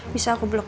bisa aku blok ya